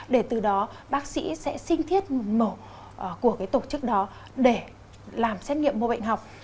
để từ đó bác sĩ sẽ sinh thiết một mẫu của tổ chức đó để làm xét nghiệm mô bệnh học